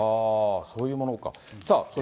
そういうものか。